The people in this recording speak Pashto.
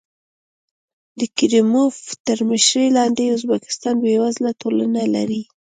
د کریموف تر مشرۍ لاندې ازبکستان بېوزله ټولنه لري.